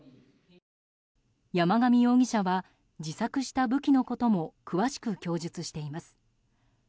山上容疑者は自作した武器のことも詳しく供述しています。